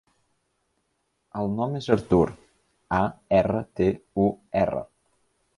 El nom és Artur: a, erra, te, u, erra.